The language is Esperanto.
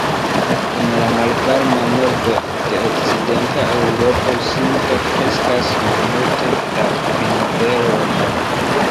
En la malvarma nordo de okcidenta Eŭropo simple kreskas malmulte da vinberoj.